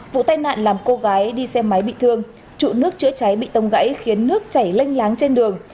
vụ tai nạn làm cô gái đi xe máy bị thương trụ nước chữa cháy bị tông gãy khiến nước chảy lênh láng trên đường